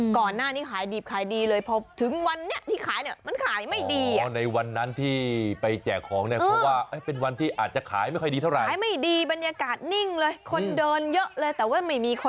ก่อนหน้านี้ขายดิบขายดีเลยพอถึงวันนี้ที่ขายเนี่ยมันขายไม่ดี